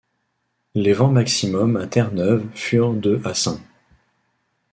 Les vents maximums à Terre-Neuve furent de à St.